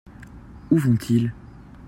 Où vont-ils ?